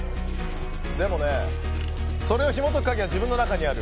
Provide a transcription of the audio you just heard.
でもね、それをひもとく鍵は自分の中にある。